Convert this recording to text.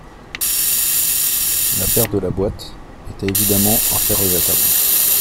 La perte de la boîte était évidemment un fait regrettable.